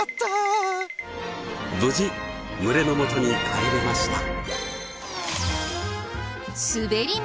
無事群れのもとに帰れました。